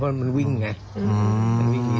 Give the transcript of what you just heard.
เพราะมันวิ่งอย่างนี้